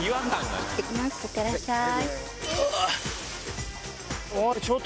いってらっしゃい。